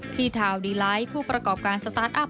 ที่ทาวดีไลท์ผู้ประกอบการสตาร์ทอัพ